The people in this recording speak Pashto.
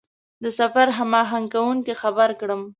د سفر هماهنګ کوونکي خبر کړم.